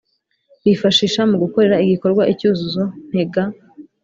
bifashisha mu gukorera igikorwa icyuzuzo ntega,